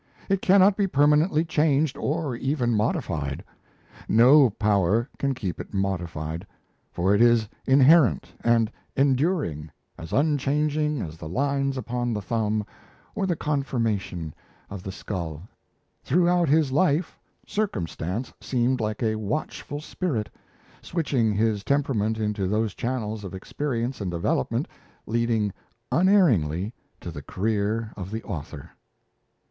It cannot be permanently changed or even modified. No power can keep it modified. For it is inherent and enduring, as unchanging as the lines upon the thumb or the conformation of the skull. Throughout his life, circumstance seemed like a watchful spirit, switching his temperament into those channels of experience and development leading unerringly to the career of the author.